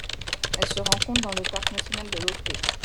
Elle se rencontre dans le parc national de Lopé.